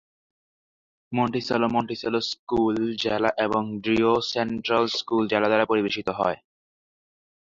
মন্টিসেলো Monticello school জেলা এবং drew central school জেলা দ্বারা পরিবেশিত হয়।